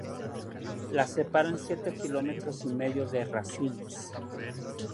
Le separan siete kilómetros y medio de Rasines.